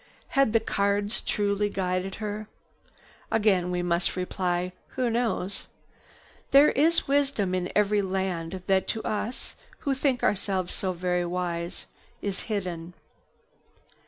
Had the cards truly guided her? Again we must reply, who knows? There is wisdom in every land that to us, who think ourselves so very wise, is hidden.